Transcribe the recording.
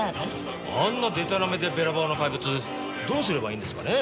あんなでたらめでべらぼうな怪物どうすればいいんですかね？